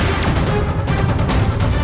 rabbit yang terkejut